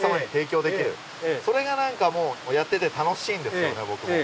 それがなんかもうやってて楽しいんですよね